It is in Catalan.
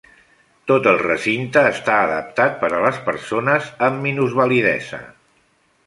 Tot el recinte està adaptat per a les persones amb minusvalidesa.